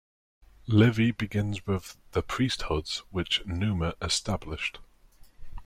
Livy begins with the priesthoods which Numa established.